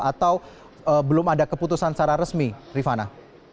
atau belum ada keputusan secara resmi rifana